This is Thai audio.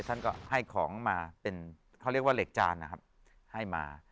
ท่านก็ให้ของมาเป็นเขาเรียกว่าเหล็กจานนะครับให้มา